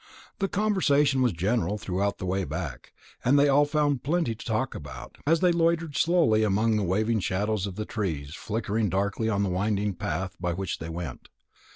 The conversation was general throughout the way back; and they all found plenty to talk about, as they loitered slowly on among the waving shadows of the trees flickering darkly on the winding path by which they went.